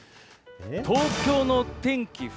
東京の天気